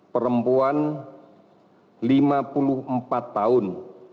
perempuan lima puluh empat tahun